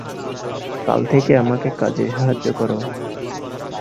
কাল থেকে আমাকে কাজে সাহায্য করো।